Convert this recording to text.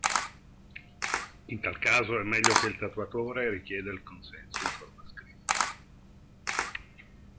In tal caso è meglio che il tatuatore richieda il consenso in forma scritta.